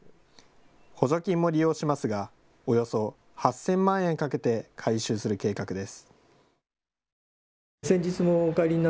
補助金も利用しますがおよそ８０００万円かけて改修する計画です。